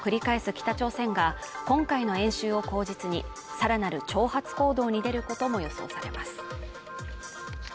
北朝鮮が今回の演習を口実に、さらなる挑発行動に出ることも予想されます。